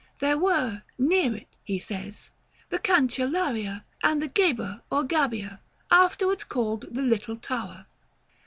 "There were, near it," he says, "the Cancellaria, and the Gheba or Gabbia, afterwards called the Little Tower."